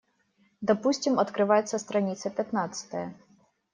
Допустим, открывается страница пятнадцатая.